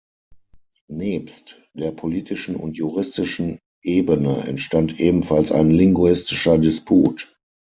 Nebst der politischen und juristischen Ebene entstand ebenfalls ein linguistischer Disput.